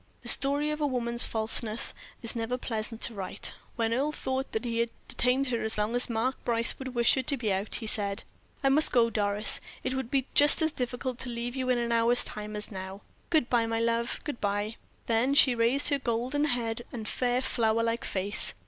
The story of woman's falseness is never pleasant to write. When Earle thought that he had detained her as long as Mark Brace would wish her to be out, he said: "I must go, Doris; it would be just as difficult to leave you in an hour's time as now. Good bye, my love, good bye." Then she raised her golden head and fair, flower like face.